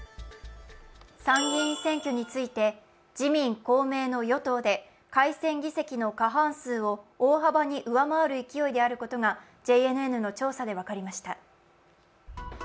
参議院選挙について自民・公明の与党で改選議席の過半数を大幅に上回る勢いであることがＪＮＮの調査で分かりました。